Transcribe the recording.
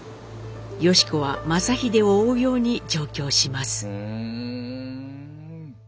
良子は正英を追うように上京します。